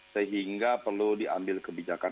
sehingga perlu diambil kebijakan